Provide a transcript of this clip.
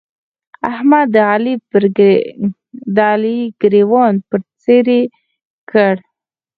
احمد د علي ګرېوان پر څيرې کړ.